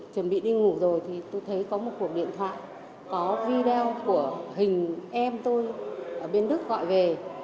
chuẩn bị đi ngủ rồi thì tôi thấy có một cuộc điện thoại có video của hình em tôi ở bên đức gọi về